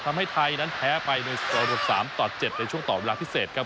ทำให้ไทยนั้นแพ้ไปในสกอร์รวม๓ต่อ๗ในช่วงต่อเวลาพิเศษครับ